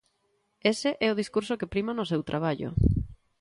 Ese é o discurso que prima no seu traballo.